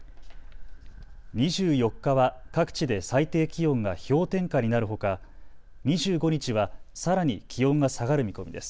２４日は各地で最低気温が氷点下になるほか、２５日はさらに気温が下がる見込みです。